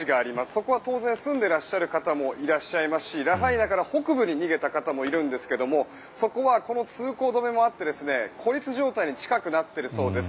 そこは当然住んでいる方もいらっしゃいますしラハイナから北部に逃げた方もいるんですけどもそこはこの通行止めもあって孤立状態に近くなっているそうです。